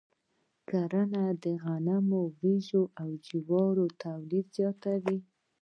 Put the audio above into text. کرنه د غنمو، وريجو، او جوارو تولید زیاتوي.